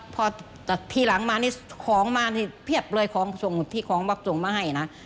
พอทีหลังมานี่ของมานี่เพียบเลยของส่งที่ของวักส่งมาให้นะ